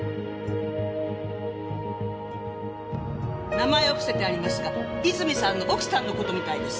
名前は伏せてありますが泉さんの奥さんの事みたいです。